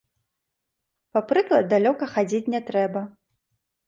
Па прыклад далёка хадзіць не трэба.